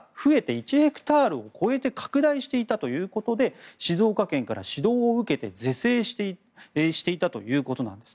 １ヘクタールを超えて拡大していたということで静岡県から指導を受けて是正をしていたということなんです。